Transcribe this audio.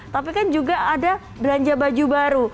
tapi kan juga ada belanja baju baru